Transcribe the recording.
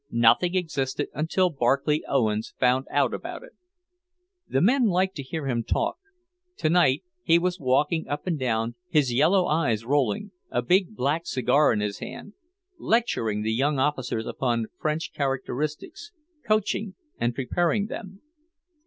Nothing existed until Barclay Owens found out about it. The men liked to hear him talk. Tonight he was walking up and down, his yellow eyes rolling, a big black cigar in his hand, lecturing the young officers upon French characteristics, coaching and preparing them.